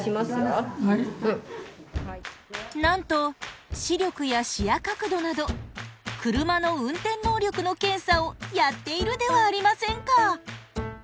なんと視力や視野角度など車の運転能力の検査をやっているではありませんか！